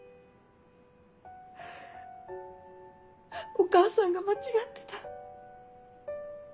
お母さんが間違ってた。